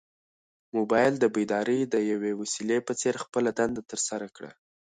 موبایل د بیدارۍ د یوې وسیلې په څېر خپله دنده ترسره کړه.